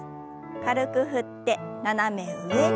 軽く振って斜め上に。